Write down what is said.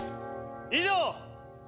以上！